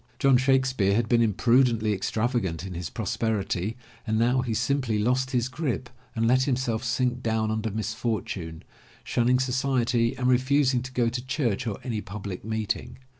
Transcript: John Shakespeare had been imprudently extravagant in his prosperity and now he simply lost his grip and let himself sink down under misfortune, shunning society and refusing to go to church or any public meeting.